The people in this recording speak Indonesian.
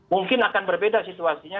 mungkin akan berbeda situasinya